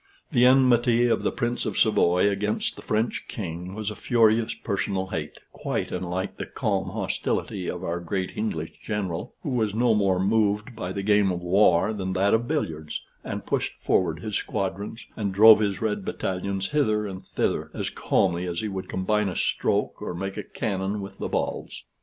The enmity of the Prince of Savoy against the French king was a furious personal hate, quite unlike the calm hostility of our great English general, who was no more moved by the game of war than that of billiards, and pushed forward his squadrons, and drove his red battalions hither and thither as calmly as he would combine a stroke or make a cannon with the balls.